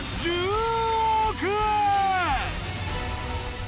１０億円！